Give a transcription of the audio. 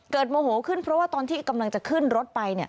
โมโหขึ้นเพราะว่าตอนที่กำลังจะขึ้นรถไป